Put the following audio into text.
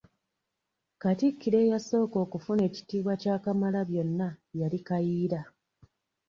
Katikkiro eyasooka okufuna ekitiibwa kya Kamalabyonna yali Kayiira.